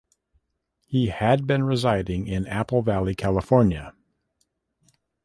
He had been residing in Apple Valley, California.